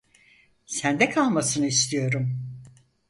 Sende kalmasını istiyorum.